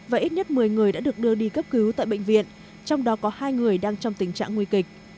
và ít nhất một mươi người đã được đưa đi cấp cứu tại bệnh viện trong đó có hai người đang trong tình trạng nguy kịch